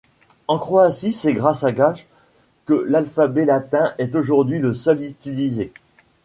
En Croatie c'est grâce à Gaj que l'alphabet latin est aujourd'hui le seul utilisé.